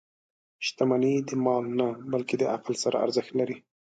• شتمني د مال نه، بلکې د عقل سره ارزښت لري.